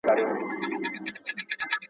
که ټولنه ګډوډ وي فرد ماتیږي.